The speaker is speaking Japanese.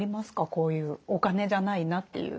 こういうお金じゃないなっていう。